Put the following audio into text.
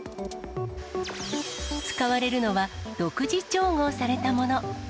使われるのは、独自調合されたもの。